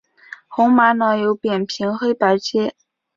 红玛瑙有扁平黑白阶。